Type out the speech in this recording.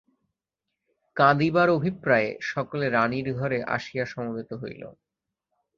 কাঁদিবার অভিপ্রায়ে সকলে রাণীর ঘরে আসিয়া সমবেত হইল।